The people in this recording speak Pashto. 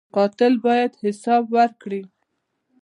قاتل باید حساب ورکړي